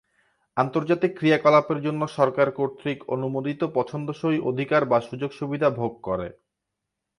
আন্তর্জাতিক ক্রিয়াকলাপের জন্য সরকার কর্তৃক অনুমোদিত পছন্দসই অধিকার বা সুযোগ-সুবিধা ভোগ করে।